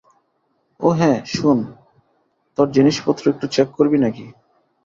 ও হ্যাঁ, শোন তোর জিনিসপত্র একটু চেক করবি নাকি?